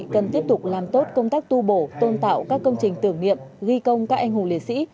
cần tiếp tục làm tốt công tác tu bổ tôn tạo các công trình tưởng niệm ghi công các anh hùng liệt sĩ